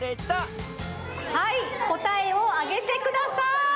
はいこたえをあげてください！